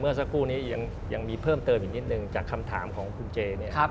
สักครู่นี้ยังมีเพิ่มเติมอีกนิดนึงจากคำถามของคุณเจเนี่ย